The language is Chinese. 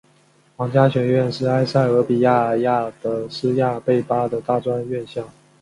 皇家学院是埃塞俄比亚亚的斯亚贝巴的大专院校。